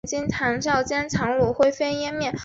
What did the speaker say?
方颖是一位女高音歌手。